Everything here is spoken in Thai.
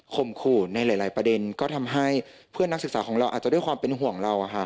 ขู่ในหลายประเด็นก็ทำให้เพื่อนนักศึกษาของเราอาจจะด้วยความเป็นห่วงเรา